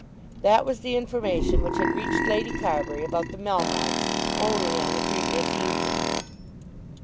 That was the information which had reached Lady Carbury about the Melmottes only on the previous evening.